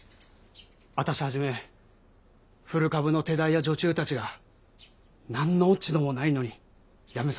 私はじめ古株の手代や女中たちが何の落ち度もないのに辞めさせられております。